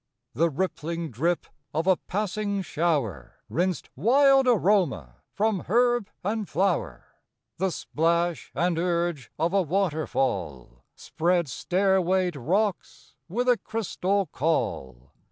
The rippling drip of a passing shower Rinsed wild aroma from herb and flower. The splash and urge of a waterfall Spread stairwayed rocks with a crystal caul.